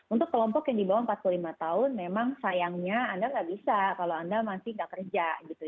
untuk kelompok yang di bawah empat puluh lima tahun memang sayangnya anda nggak bisa kalau anda masih nggak kerja gitu